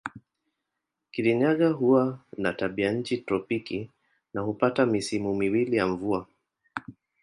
Kirinyaga huwa na tabianchi tropiki na hupata misimu miwili ya mvua.